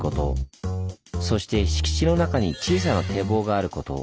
そして敷地の中に小さな堤防があること。